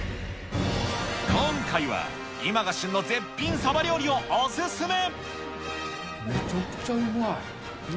今回は、今が旬の絶品サバ料理をお勧め！